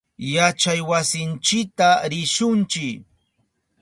Yachaywasinchita rishunchi.